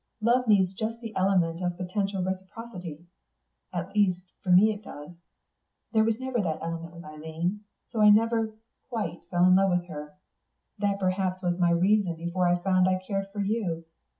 Love needs just the element of potential reciprocity; at least, for me it does. There was never that element with Eileen. So I never quite fell in love with her. That perhaps was my reason before I found I cared for you.